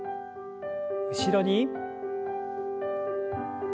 後ろに。